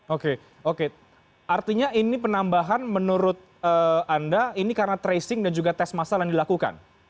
oke oke artinya ini penambahan menurut anda ini karena tracing dan juga tes masal yang dilakukan